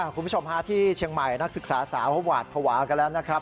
คุณผู้ชมฮะที่เชียงใหม่นักศึกษาสาวเขาหวาดภาวะกันแล้วนะครับ